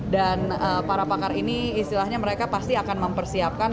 dan para pakar ini istilahnya mereka pasti akan mempersiapkan